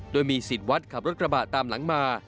โดยมีสิทธิ์วัดขับรถกระบะตามหลังมา